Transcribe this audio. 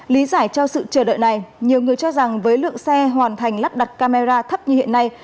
lý giải cho sự chờ đợi này nhiều người cho rằng với lượng xe hoàn thành lắp đặt camera thấp như hiện nay